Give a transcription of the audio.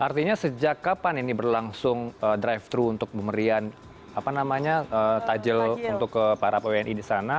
artinya sejak kapan ini berlangsung drive thru untuk memberikan apa namanya takjil untuk ke para bni di sana